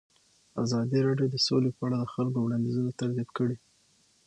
ازادي راډیو د سوله په اړه د خلکو وړاندیزونه ترتیب کړي.